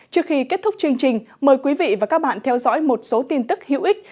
trước khi kết thúc chương trình mời quý vị và các bạn theo dõi một số tin tức hữu ích